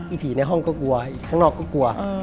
ผีในห้องก็กลัวอีกข้างนอกก็กลัว